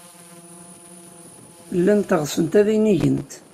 Llant ɣsent ad inigent.